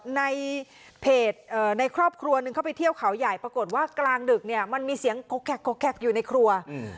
ในเพจเอ่อในครอบครัวหนึ่งเข้าไปเที่ยวเขาใหญ่ปรากฏว่ากลางดึกเนี่ยมันมีเสียงกกอยู่ในครัวอืม